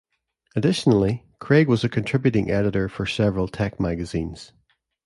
Additionally, Craig was a contributing editor for several tech magazines.